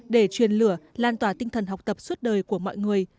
để truyền lửa lan tỏa tinh thần học tập suốt đời của mọi người